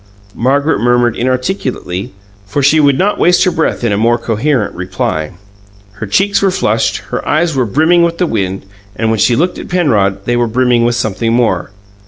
Margaret murmured inarticulately, for she would not waste her breath in a more coherent reply. Her cheeks were flushed; her eyes were brimming with the wind, but when she looked at Penrod, they were brimming with something more.